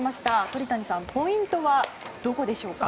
鳥谷さん、ポイントはどこでしょうか？